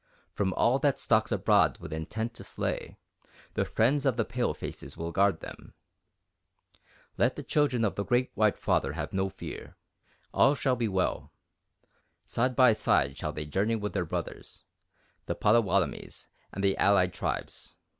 From all that stalks abroad with intent to slay, the friends of the palefaces will guard them. Let the children of the Great White Father have no fear. All shall be well. Side by side shall they journey with their brothers, the Pottawattomies and the allied tribes.